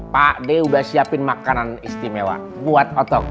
pak d udah siapin makanan istimewa buat otok